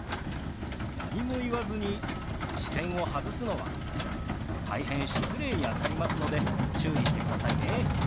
何も言わずに視線を外すのは大変失礼にあたりますので注意してくださいね。